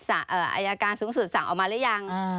อายการสูงสุดสั่งออกมาหรือยัง